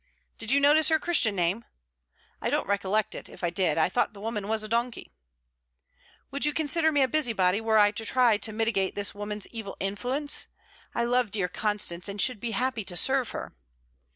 'Did you notice her Christian name?' 'I don't recollect it, if I did. I thought the woman a donkey.' 'Would you consider me a busybody were I to try to mitigate this woman's evil influence? I love dear Constance, and should be happy to serve her.'